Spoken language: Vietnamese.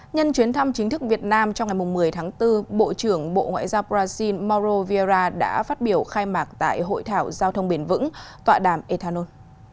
nhân chuyến thăm chính thức việt nam trong ngày một mươi tháng bốn bộ trưởng bộ ngoại giao brazil mauro vieira đã phát biểu khai mạc tại hội thảo giao thông bền vững tọa đàm ethanol